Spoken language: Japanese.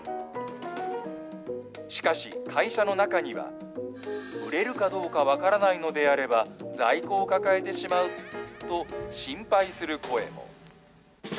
しかし会社の中には、売れるかどうか分からないのであれば、在庫を抱えてしまうと、心配する声も。